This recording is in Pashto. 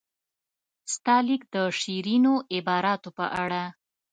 ستا لیک د شیرینو عباراتو په اړه.